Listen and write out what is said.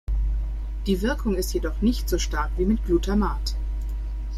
Die Wirkung ist jedoch nicht so stark wie mit Glutamat.